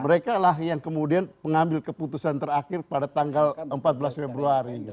mereka lah yang kemudian pengambil keputusan terakhir pada tanggal empat belas februari